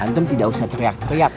antum tidak usah teriak teriak